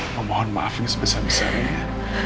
memohon maafin sebesar besarnya